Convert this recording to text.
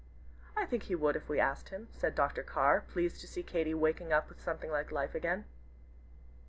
"I think he would if we asked him," said Dr. Carr, pleased to see Katy waking up with something like life again.